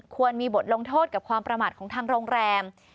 มีบทลงโทษกับความประมาทของทางโรงแรม